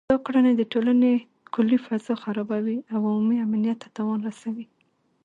دا کړنې د ټولنې کلي فضا خرابوي او عمومي امنیت ته تاوان رسوي